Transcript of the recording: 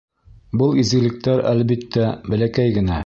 Был изгелектәр, әлбиттә, бәләкәй генә.